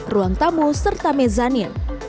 ruang tamu serta mezanil